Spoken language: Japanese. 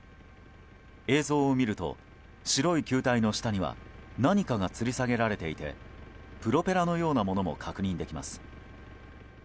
映像を見ると、白い球体の下には何かがつり下げられていてプロペラのようなものも確認できます。